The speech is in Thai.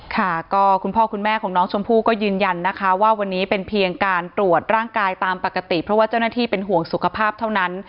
ค่ะก็คุณพ่อคุณแม่ของน้องชมพู่ก็ยืนยันนะคะว่าวันนี้เป็นเพียงการตรวจร่างกายตามปกติเพราะว่าเจ้าหน้าที่เป็นห่วงสุขภาพเท่านั้น